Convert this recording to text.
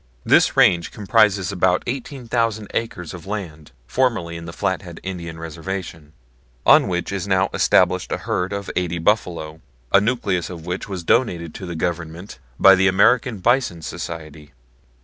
This range comprises about 18,000 acres of land formerly in the Flathead Indian Reservation, on which is now established a herd of eighty buffalo, a nucleus of which was donated to the Government by the American Bison Society.